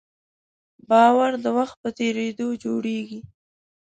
باور د وخت په تېرېدو جوړېږي.